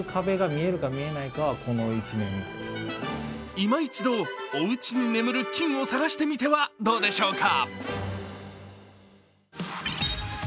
いま一度、おうちに眠る金を探してみてはどうでしょうか。